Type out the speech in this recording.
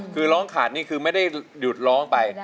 คือร้องขาดนี่คือไม่ได้หยุดร้องไป